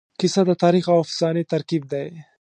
کیسه د تاریخ او افسانې ترکیب دی.